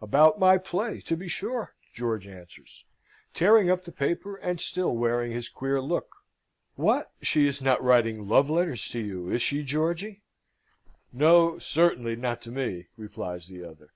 "About my play, to be sure," George answers, tearing up the paper, and still wearing his queer look. "What, she is not writing love letters to you, is she, Georgy?" "No, certainly not to me," replies the other.